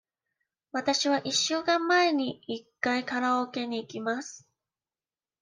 わたしは一週間に一回カラオケに行きます。